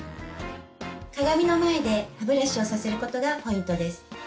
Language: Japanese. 鏡の前で歯ブラシをさせることがポイントです。